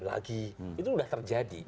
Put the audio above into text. lagi itu sudah terjadi